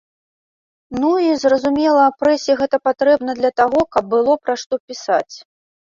Ну і, зразумела, прэсе гэта патрэбна для таго, каб было пра што пісаць.